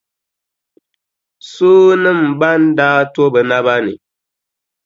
Soonima ban daa to bɛ naba ni.